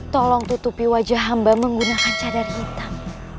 tolong tutupi wajah hamba menggunakan cadar hitam